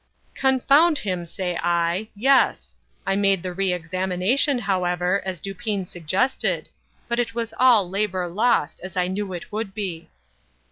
"Confound him, say I—yes; I made the re examination, however, as Dupin suggested—but it was all labor lost, as I knew it would be."